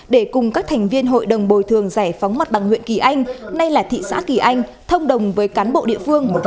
để cùng các thành viên hội đồng bồi thường giải phóng mặt bằng huyện kỳ anh nay là thị xã kỳ anh thông đồng với cán bộ địa phương